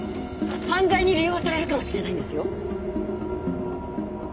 犯罪に利用されるかもしれないんですよ？